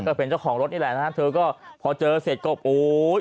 ก็เป็นเจ้าของรถนี่แหละนะฮะเธอก็พอเจอเสร็จก็โอ้ย